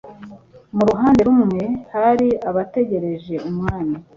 Mu ruhande runwe hari abategereje Umwami